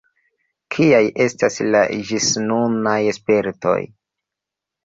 Kiaj estas la ĝisnunaj spertoj?